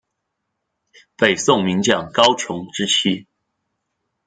北宋名将高琼之妻。